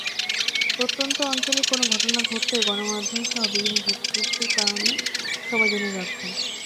প্রত্যন্ত অঞ্চলে কোনো ঘটনা ঘটলেও গণমাধ্যমসহ বিভিন্ন প্রযুক্তির কারণে সবাই জেনে যাচ্ছে।